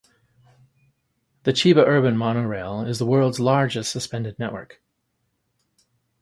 The Chiba Urban Monorail is the world's largest suspended network.